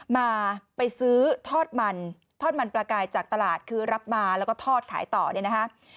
มาไปซื้อทอดมันทอดมันปลากายจากตลาดคือรับมาแล้วก็ทอดขายต่อเนี่ยนะคะ